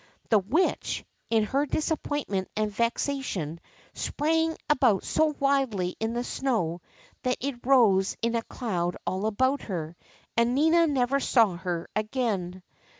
The Witch, in her disappointment and vexation, sprang about so wildly in the snow that it rose in a cloud all about her, and Nina never saw her again.